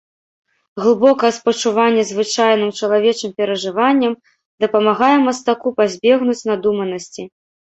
Глыбокае спачуванне звычайным чалавечым перажыванням дапамагае мастаку пазбегнуць надуманасці.